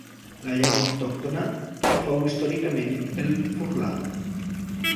La llengua autòctona hi fou històricament el furlà.